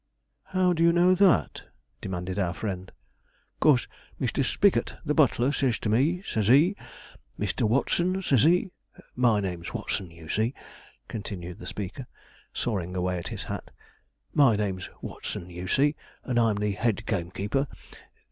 'How do you know that?' demanded our friend. ''Cause Mr. Spigot, the butler, says to me, says he, "Mr. Watson," says he my name's Watson, you see,' continued the speaker, sawing away at his hat, 'my name's Watson, you see, and I'm the head gamekeeper.